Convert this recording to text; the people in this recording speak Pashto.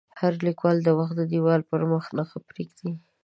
هر لیکوال د وخت د دیوال پر مخ نښه پرېږدي.